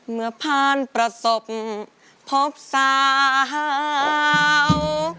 เมื่อผ่านประสบพบสาว